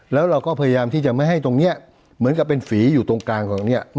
แล้วเราก็พยายามที่จะไม่ให้ตรงนี้เหมือนกับเป็นฝีอยู่ตรงกลางของตรงนี้